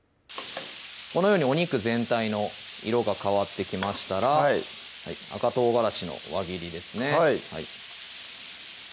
このようにお肉全体の色が変わってきましたら赤唐辛子の輪切りですね